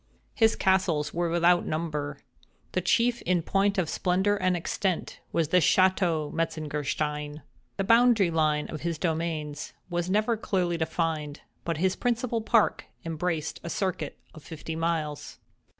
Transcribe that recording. His castles were without number. The chief in point of splendor and extent was the "Château Metzengerstein." The boundary line of his dominions was never clearly defined; but his principal park embraced a circuit of fifty miles.